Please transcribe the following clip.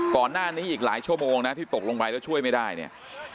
ก่อนหน้านี้อีกหลายชั่วโมงนะที่ตกลงไปแล้วช่วยไม่ได้เนี่ย